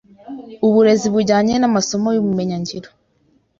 uburezi bujyanye n’amasomo y’ubumenyingiro